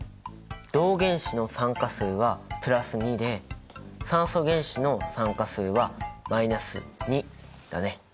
銅原子の酸化数はプラス２で酸素原子の酸化数はマイナス２だね。